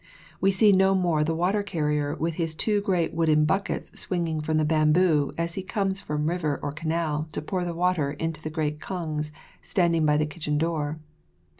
We see no more the water carrier with his two great wooden buckets swinging from the bamboo as he comes from river or canal to pour the water into the great kangs standing by the kitchen door.